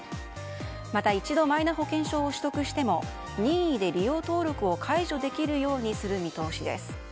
また、一度マイナ保険証を取得しても任意で利用登録を解除できるようにする見通しです。